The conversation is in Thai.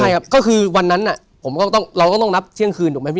ใช่ครับก็คือวันนั้นน่ะเราก็ต้องนับเที่ยงคืน